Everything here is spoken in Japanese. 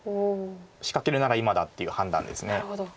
仕掛けるなら今だっていう判断です。